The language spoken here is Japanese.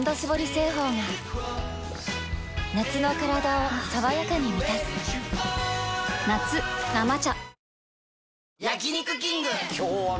製法が夏のカラダを爽やかに満たす夏「生茶」